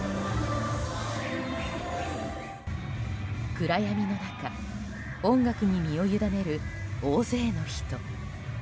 暗闇の中音楽に身を委ねる大勢の人。